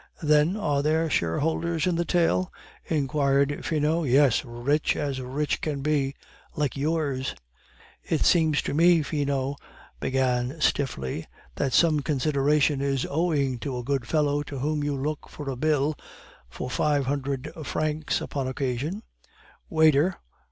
"Then, are there shareholders in the tale?" inquired Finot. "Yes; rich as rich can be like yours." "It seems to me," Finot began stiffly, "that some consideration is owing to a good fellow to whom you look for a bill for five hundred francs upon occasion " "Waiter!"